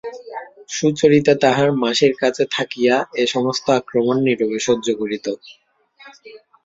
সুচরিতা তাহার মাসির কাছে থাকিয়া এ-সমস্ত আক্রমণ নীরবে সহ্য করিত।